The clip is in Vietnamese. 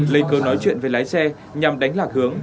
lấy câu nói chuyện với lái xe nhằm đánh lạc hướng